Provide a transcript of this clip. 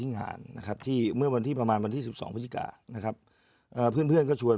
งานในเลิกแล้ว